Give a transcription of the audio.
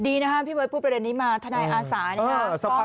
ดีนะครับพี่เบิร์ดพูดประเด็นนี้มาทนายอาสานะครับ